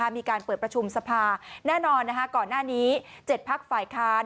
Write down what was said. มีการเปิดประชุมสภาแน่นอนก่อนหน้านี้๗พักฝ่ายค้าน